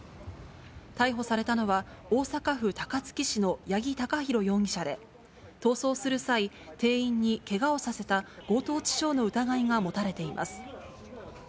逮捕されたのは、大阪府高槻市の八木貴寛容疑者で、逃走する際、店員にけがをさせた強盗致傷の疑いが持たれています。